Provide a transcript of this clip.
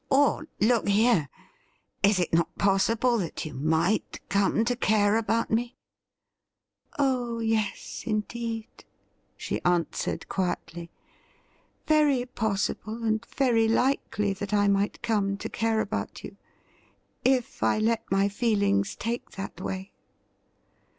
Or, look here, is it not possible that you might come to care about me .'''' Oh yes, indeed,' she answered quietly ;' very possible and very likely that I might come to care about you, if I let my feelings take that way.'